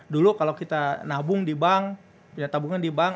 dulu kalau kita nabung di bank